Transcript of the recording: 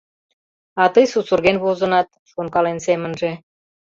А тый сусырген возынат...» — шонкален семынже.